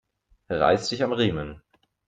Reiß dich am Riemen